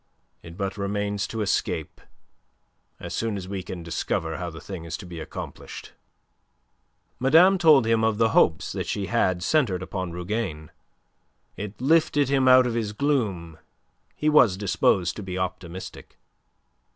It but remains to escape, as soon as we can discover how the thing is to be accomplished." Madame told him of the hopes that she had centred upon Rougane. It lifted him out of his gloom. He was disposed to be optimistic.